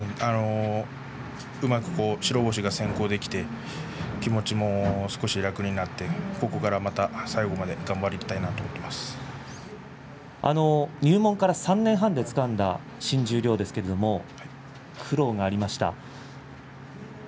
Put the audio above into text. そうですねうまく白星が先行できて気持ちも少し楽になってここからまた最後まで頑張って入門から３年半でつかんだ新十両ですけれど苦労がありました。